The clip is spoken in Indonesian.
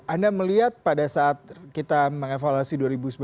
anda melihat pada saat kita mengevaluasi dua ribu sembilan belas